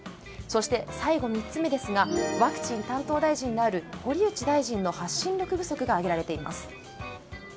そして、最後３つ目ですがワクチン担当大臣である堀内大臣の発信力不足が挙げられています。